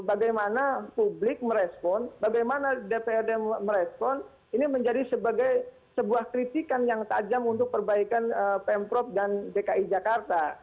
bagaimana publik merespon bagaimana dprd merespon ini menjadi sebagai sebuah kritikan yang tajam untuk perbaikan pemprov dan dki jakarta